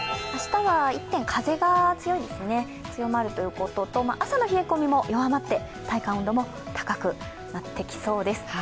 明日は一転、風が強まるということと朝の冷え込みも弱まって、体感温度も高くなってきそうです。